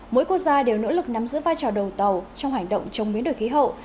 mỗi quốc gia đều nỗ lực nắm giữ vai trò đầu tàu trong hành động chống biến đổi khí hậu